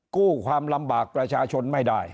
กู้ความลำบากประชาชนไม่ได้